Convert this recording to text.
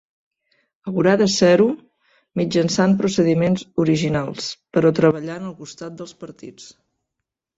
Haurà de ser-ho mitjançant procediments originals, però treballant al costat dels partits.